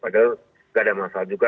gak ada masalah juga